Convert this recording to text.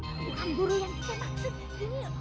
bukan guru yang kita maksud